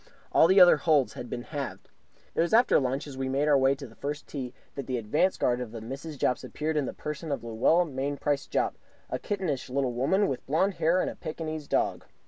All the other holes had been halved. It was after lunch, as we made our way to the first tee, that the advance guard of the Mrs. Jopps appeared in the person of Luella Mainprice Jopp, a kittenish little woman with blond hair and a Pekingese dog.